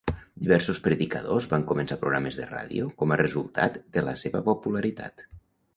Diversos predicadors van començar programes de ràdio com a resultat de la seva popularitat.